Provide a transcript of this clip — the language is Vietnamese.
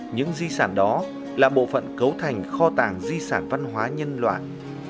những di sản đó là bộ phận cấu thành kho tàng di sản văn hóa nhân loại